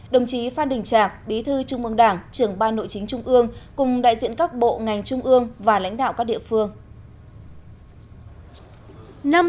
đồng chí phan đình trạc bí thư trung mương đảng trưởng ban nội chính trung ương cùng đại diện các bộ ngành trung ương và lãnh đạo các địa phương